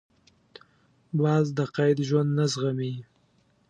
باز د قید ژوند نه زغمي